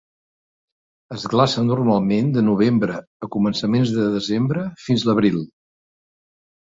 Es glaça normalment de novembre a començaments de desembre fins a abril.